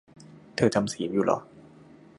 เธอจำศีลอยู่เหรอ?